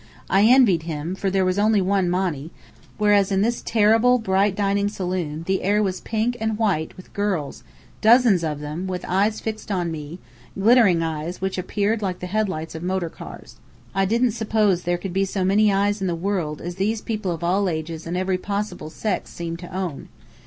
I envied him, for there was only one Monny, whereas in this terrible, bright dining saloon, the air was pink and white with girls, dozens of girls, with eyes fixed on me, glittering eyes, which appeared like the headlights of motor cars. I didn't suppose there could be so many eyes in the world as these people of all ages and every possible sex seemed to own.